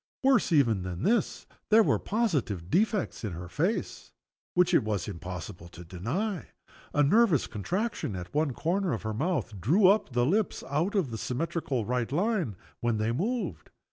Worse even than this, there were positive defects in her face, which it was impossible to deny. A nervous contraction at one corner of her mouth drew up the lips out of the symmetrically right line, when, they moved.